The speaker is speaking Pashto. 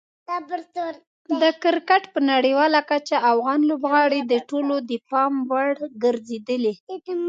د کرکټ په نړیواله کچه افغان لوبغاړي د ټولو د پام وړ ګرځېدلي.